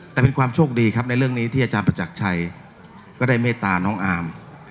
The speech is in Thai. แต่เป็นความโชคดีครับในเรื่องนี้ที่อาจารย์ประจักรชัยก็ได้เมตตาน้องอาม